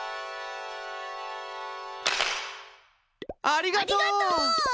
ありがとう！